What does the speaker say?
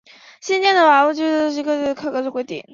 新建的巴姆郡将执行更严格的抗震规定。